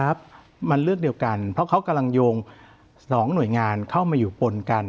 มันเลือกเดียวกันเพราะเขากำลังโยง๒หน่วยงานเข้ามาอยู่ปนกัน